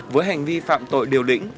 với hành vi phạm tội điều lĩnh